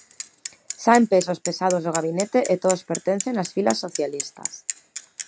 Saen pesos pesados do gabinete e todos pertencen ás filas socialistas.